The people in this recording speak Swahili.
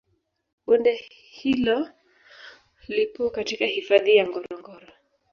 Bonde hilo lipo katika hifadhi ya ngorongoro